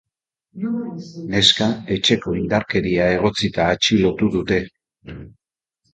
Neska etxeko indarkeria egotzita atxilotu dute.